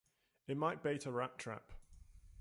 It might bait a rat-trap.